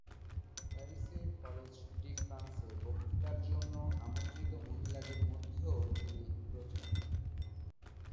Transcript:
প্যারিসের college de ফ্রান্সে বক্তৃতার জন্য আমন্ত্রিত মহিলাদের মধ্যেও তিনি প্রথম।